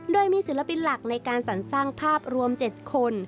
โดยมีศิลปินหลักในการสรรสร้างภาพรวม๗คน